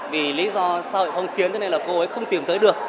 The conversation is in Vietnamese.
vì lý do xã hội phong kiến cho nên là cô ấy không tìm tới được